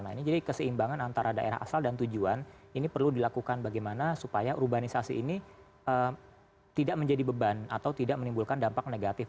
nah ini jadi keseimbangan antara daerah asal dan tujuan ini perlu dilakukan bagaimana supaya urbanisasi ini tidak menjadi beban atau tidak menimbulkan dampak negatif